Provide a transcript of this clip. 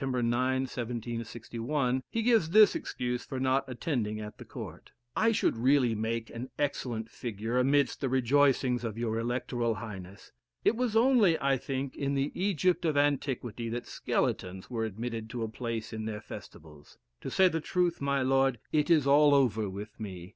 9, 1761, he gives this excuse for not attending at the court: "I should really make an excellent figure amidst the rejoicings of your electoral highness. It was only, I think, in the Egypt of antiquity that skeletons were admitted to a place in their festivals. To say the truth, my lord, it is all over with me.